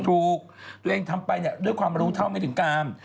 ตัวเองทำไปเนี่ยด้วยความรู้เท่าไม่ถึงการ